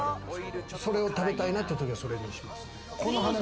それを食べたいなってときはそれにします。